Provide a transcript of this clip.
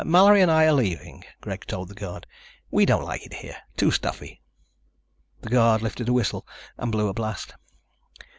"Mallory and I are leaving," Greg told the guard. "We don't like it here. Too stuffy." The guard lifted a whistle and blew a blast.